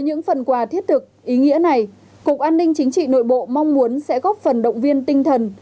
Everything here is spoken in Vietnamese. những phần quà thiết thực ý nghĩa này cục an ninh chính trị nội bộ mong muốn sẽ góp phần động viên tinh thần